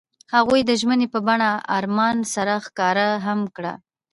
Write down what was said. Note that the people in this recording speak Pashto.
هغوی د ژمنې په بڼه آرمان سره ښکاره هم کړه.